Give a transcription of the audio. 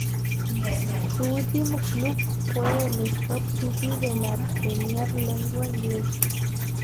Su último club fue el Stoke City de la Premier League inglesa.